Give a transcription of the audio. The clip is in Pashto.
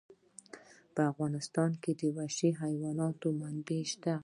په افغانستان کې د وحشي حیوانات منابع شته.